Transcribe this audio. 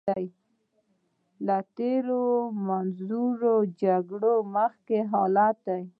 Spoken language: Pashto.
له تېر منظور له جګړې مخکې حالت دی.